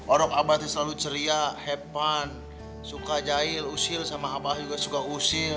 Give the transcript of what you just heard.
orang abah tidak selalu ceria hebat suka jahil usil sama abah juga suka usil